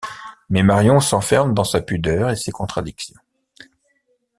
Mais Marion s'enferme dans sa pudeur et ses contradictions.